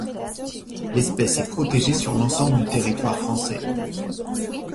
L'espèce est protégée sur l'ensemble du territoire français.